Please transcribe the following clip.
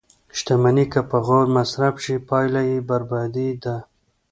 • شتمني که په غرور مصرف شي، پایله یې بربادي ده.